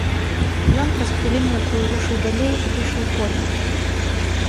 Ён праз хвіліну якую рушыў далей і выйшаў у поле.